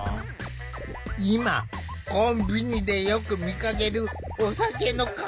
今コンビニでよく見かけるお酒の看板。